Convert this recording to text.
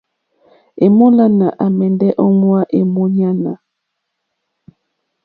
Èmólánà àmɛ́ndɛ́ ō ŋwá èmúɲánà.